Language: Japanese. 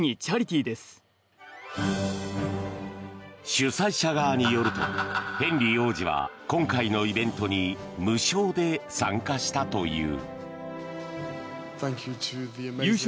主催者側によるとヘンリー王子は今回のイベントに無償で参加したという。